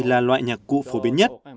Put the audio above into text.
là loại nhạc cụ phổ biến nhất